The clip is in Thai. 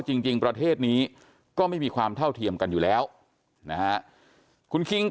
จริงประเทศนี้ก็ไม่มีความเท่าเทียมกันอยู่แล้วนะฮะคุณคิง